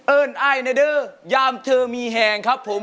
เอิ้นอ่ายนาเดอร์ยามเธอมีแหงครับผม